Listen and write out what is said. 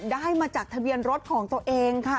ได้มาจากทะเบียนรถของตัวเองค่ะ